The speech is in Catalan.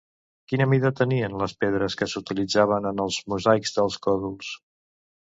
Quina mida tenien les pedres que s'utilitzaven en els mosaics dels còdols?